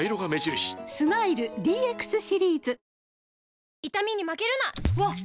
スマイル ＤＸ シリーズ！わっ！